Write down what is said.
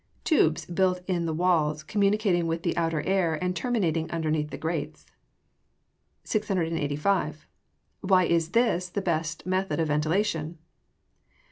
_ Tubes built in the walls, communicating with the outer air, and terminating underneath the grates. 685. _Why is this the best method of ventilation?